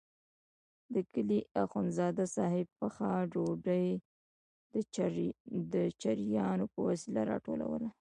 د کلي اخندزاده صاحب پخه ډوډۍ د چړیانو په وسیله راټولوله.